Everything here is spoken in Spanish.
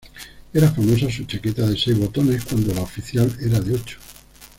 Era famosa su chaqueta de seis botones, cuando la oficial era de ocho.